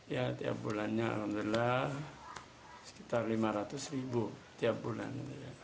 ya tiap bulannya alhamdulillah sekitar lima ratus ribu tiap bulan